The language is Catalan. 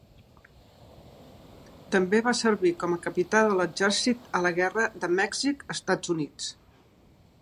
També va servir com a capità de l'exèrcit a la Guerra de Mèxic-Estats Units.